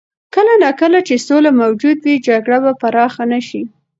کله نا کله چې سوله موجوده وي، جګړه به پراخه نه شي.